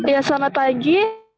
ya selamat pagi